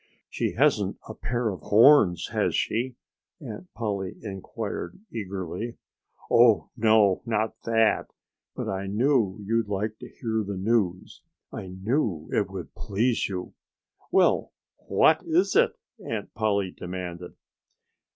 "She hasn't a pair of horns, has she!" Aunt Polly inquired eagerly. "Oh, no! Not that! But I knew you'd like to hear the news. I knew it would please you." "Well, what is it?" Aunt Polly demanded.